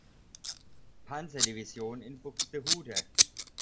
Panzerdivision in Buxtehude.